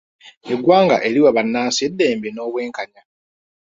Eggwanga eriwa bannansi eddembe n'obwenkanya.